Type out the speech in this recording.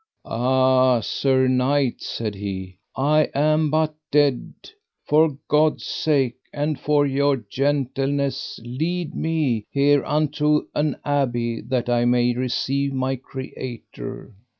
Ah, sir knight, said he, I am but dead, for God's sake and of your gentleness lead me here unto an abbey that I may receive my Creator.